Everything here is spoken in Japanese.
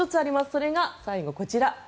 それが最後、こちら。